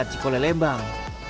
dan cikole lembang